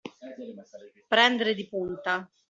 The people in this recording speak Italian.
Prendere di punta.